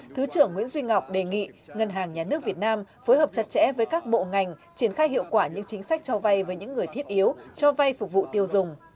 thứ trưởng nguyễn duy ngọc đề nghị ngân hàng nhà nước việt nam phối hợp chặt chẽ với các bộ ngành triển khai hiệu quả những chính sách cho vay với những người thiết yếu cho vay phục vụ tiêu dùng